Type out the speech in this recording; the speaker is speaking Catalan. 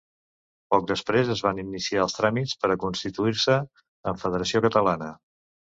Poc després es van iniciar els tràmits per a constituir-se en federació catalana.